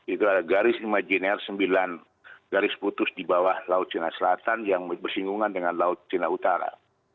seribu sembilan ratus empat puluh tujuh itu ada garis imaginer sembilan garis putus di bawah laut china selatan yang bersinggungan dengan laut china utara